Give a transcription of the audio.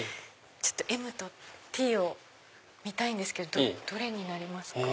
ＭとＴを見たいんですけどどれになりますか？